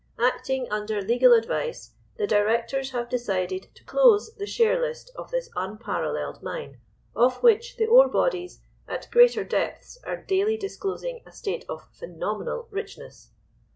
"Acting under legal advice, the Directors have decided to close the share list of this unparalleled mine, of which the ore bodies at greater depths are daily disclosing a state of phenomenal richness.